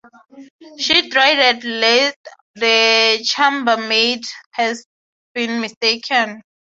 She dreaded lest the chambermaid had been mistaken.